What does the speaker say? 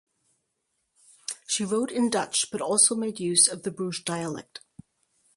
She wrote in Dutch but also made use of the Bruges dialect.